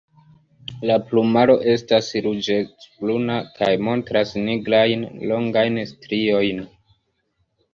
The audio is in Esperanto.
La plumaro estas ruĝecbruna kaj montras nigrajn longajn striojn.